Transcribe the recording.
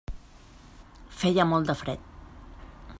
Feia molt de fred.